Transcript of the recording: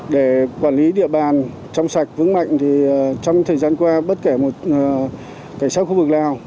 để quản lý địa bàn trong sạch vững mạnh thì trong thời gian qua bất kể một cảnh sát khu vực lào